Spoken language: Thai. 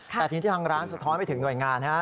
แต่ทีนี้ทางร้านสะท้อนไปถึงหน่วยงานฮะ